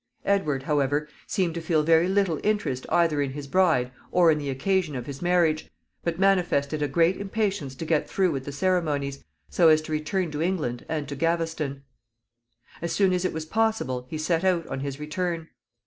Edward, however, seemed to feel very little interest either in his bride or in the occasion of his marriage, but manifested a great impatience to get through with the ceremonies, so as to return to England and to Gaveston. As soon as it was possible, he set out on his return.